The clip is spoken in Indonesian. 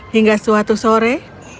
hingga suatu sore